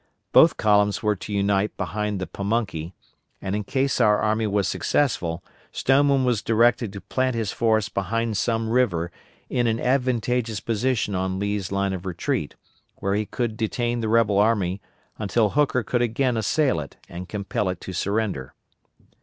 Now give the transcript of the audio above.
Both columns were to unite behind the Pamunkey, and in case our army was successful Stoneman was directed to plant his force behind some river in an advantageous position on Lee's line of retreat, where he could detain the rebel army until Hooker could again assail it and compel it to surrender.